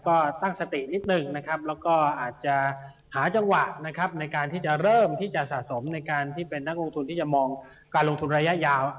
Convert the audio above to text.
ก็ตั้งสตินิดหนึ่งนะครับแล้วก็อาจจะหาจังหวะนะครับในการที่จะเริ่มที่จะสะสมในการที่เป็นนักลงทุนที่จะมองการลงทุนระยะยาว